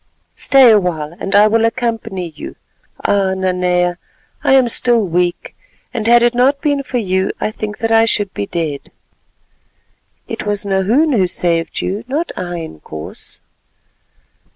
"Stay awhile, and I will accompany you. Ah! Nanea, I am still weak, and had it not been for you I think that I should be dead." "It was Nahoon who saved you—not I, Inkoos."